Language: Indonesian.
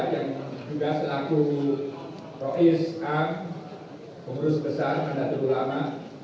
yang juga selaku prois a pemerus besar adatul ulama